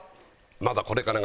まだこれからが。